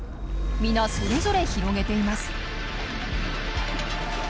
皆それぞれ広げています。